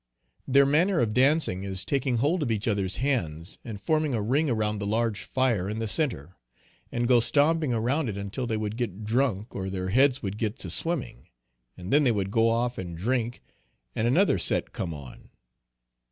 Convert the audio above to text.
Their manner of dancing is taking hold of each others hands and forming a ring around the large fire in the centre, and go stomping around it until they would get drunk or their heads would get to swimming, and then they would go off and drink, and another set come on.